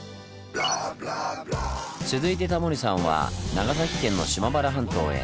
続いてタモリさんは長崎県の島原半島へ。